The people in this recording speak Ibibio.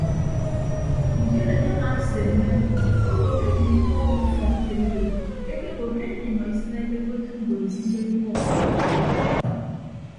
Ndion enye amaaseemme obo ke mme ikpọ owo ufọkutom odo ekebo ke enyịñ imọ isịneke ke otu mbon se iyem ibọ ọkʌk.